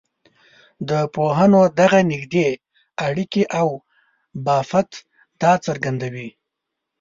د پوهنو دغه نږدې اړیکي او بافت دا څرګندوي.